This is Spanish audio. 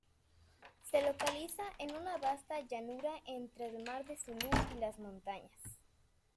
Se localiza en una vasta llanura entre el Mar de Sulu y las montañas.